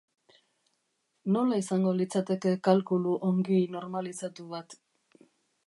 Nola izango litzateke kalkulu ongi normalizatu bat?